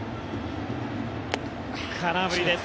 空振りです。